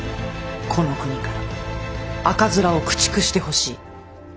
この国から赤面を駆逐してほしい。